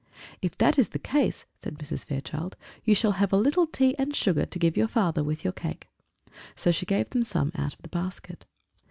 "If that is the case," said Mrs. Fairchild, "you shall have a little tea and sugar to give your father with your cake;" so she gave them some out of the basket.